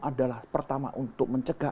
adalah pertama untuk mencegah